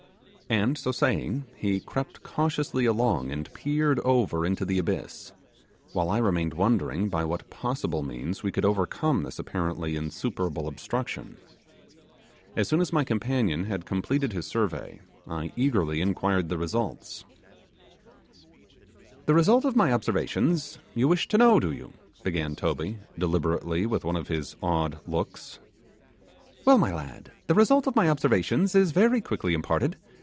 And, so saying, he crept cautiously along and peered over into the abyss, while I remained wondering by what possible means we could overcome this apparently insuperable obstruction. As soon as my companion had completed his survey, I eagerly inquired the result. 'The result of my observations you wish to know, do you?' began Toby, deliberately, with one of his odd looks: 'well, my lad, the result of my observations is very quickly imparted.